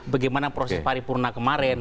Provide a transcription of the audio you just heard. bagaimana proses paripurna kemarin